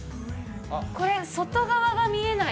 これ、外側が見えない。